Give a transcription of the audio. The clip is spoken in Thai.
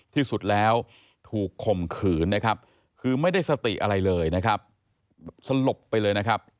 ที่สุดแล้วถูกข่มขืนนะครับคือไม่ได้สติอะไรเลยนะครับสลบไปเลยนะครับ